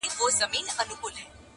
د خپل ورور زړه یې څیرلی په خنجر دی!!